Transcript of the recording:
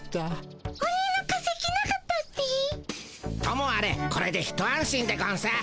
ともあれこれで一安心でゴンス。